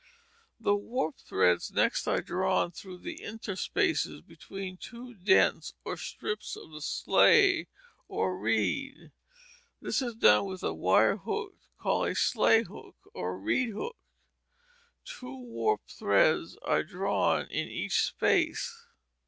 The warp threads next are drawn through the interspaces between two dents or strips of the sley or reed. This is done with a wire hook called a sley hook or reed hook. Two warp threads are drawn in each space.